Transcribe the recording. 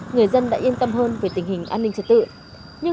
người dân đã yên tâm hơn về tình hình an ninh trật tự